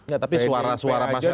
ya tapi suara suara pasang